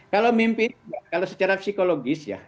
kalau mimpi itu kalau secara psikologis ya